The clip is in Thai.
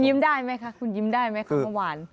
คุณยิ้มได้ไหมคะคุณยิ้มได้ไหมคะมะหวาน